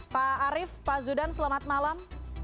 pak arief pak zudan selamat malam